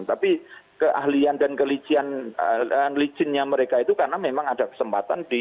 tapi keahlian dan kelincinya mereka itu karena memang ada kesempatan